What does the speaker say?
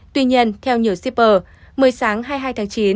tuy nhiên theo nhiều shipper mới sáng hai mươi hai tháng chín